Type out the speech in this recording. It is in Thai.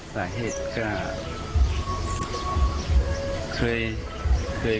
สาเหตุก็